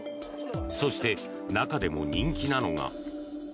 そして中でも人気なのが。